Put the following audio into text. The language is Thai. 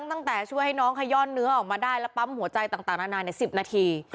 ตั้งแต่ช่วยให้น้องขย่อนเนื้อออกมาได้และปั๊มหัวใจต่างนาน๑๐นาที